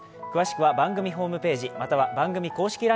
詳しくは番組ホームページ、または番組公式